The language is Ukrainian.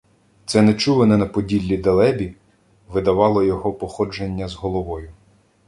Це нечуване на Поділлі "далебі" видавало його походження з головою.